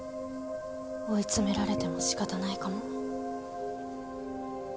追い詰められても仕方ないかも。